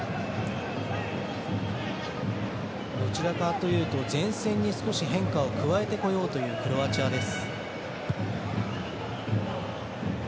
どちらかというと前線に変化を加えてこようというクロアチアです。